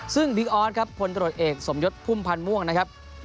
ซึ่งบิ๊กออสครับพลตรวจเอกสมยศพุ่มพันธ์ม่วงนะครับ